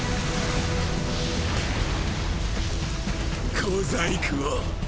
小細工を！